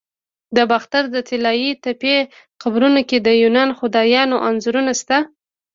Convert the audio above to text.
د باختر د طلایی تپې قبرونو کې د یوناني خدایانو انځورونه شته